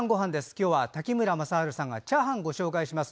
今日は滝村雅晴さんがチャーハンをご紹介します。